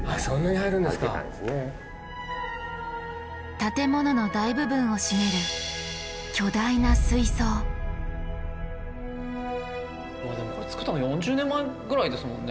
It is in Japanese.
建物の大部分を占めるこれ作ったの４０年前ぐらいですもんね。